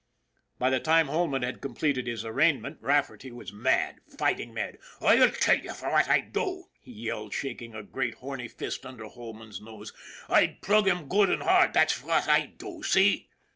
By the time Holman had completed his arraign ment, Rafferty was mad fighting mad. " I'll tell you fwhat I'd do," he yelled, shaking a great horny fist under Holman's nose. " I'd plug him good an' hard, that's fwhat I'd do ! See